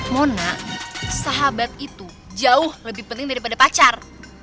mona sahabat itu jauh lebih penting daripada pacar